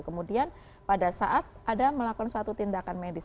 kemudian pada saat ada melakukan suatu tindakan medis